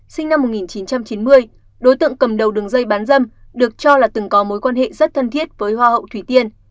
sinh năm một nghìn chín trăm chín mươi đối tượng cầm đầu đường dây bán dâm được cho là từng có mối quan hệ rất thân thiết với hoa hậu thủy tiên